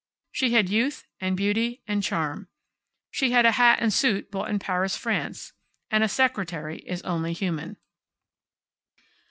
She had youth, and beauty, and charm. She had a hat and suit bought in Paris, France; and a secretary is only human.